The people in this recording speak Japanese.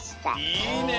いいね。